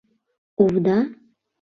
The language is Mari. Овда?..